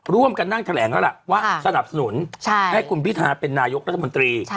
ร่วมกันนั่งแถลงแล้วล่ะว่าสนับสนุนให้คุณพิทาเป็นนายกรัฐมนตรี